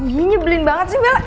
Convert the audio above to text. nyebelin banget sih bella